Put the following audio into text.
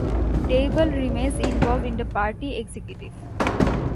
Deibel remains involved in the party executive.